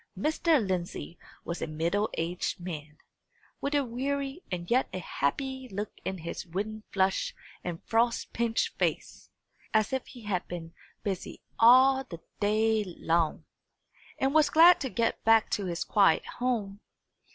Mr. Lindsey was a middle aged man, with a weary and yet a happy look in his wind flushed and frost pinched face, as if he had been busy all the day long, and was glad to get back to his quiet home.